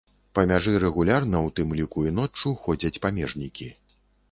Па мяжы рэгулярна, у тым ліку і ноччу, ходзяць памежнікі.